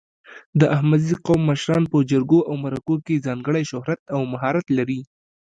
د احمدزي قوم مشران په جرګو او مرکو کې ځانګړی شهرت او مهارت لري.